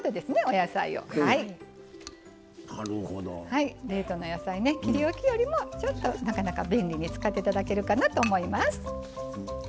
はい冷凍の野菜ね切りおきよりもちょっとなかなか便利に使っていただけるかなと思います。